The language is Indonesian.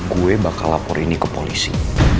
gue bakal lapor ini ke polisi